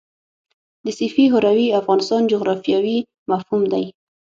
د سیفي هروي افغانستان جغرافیاوي مفهوم دی.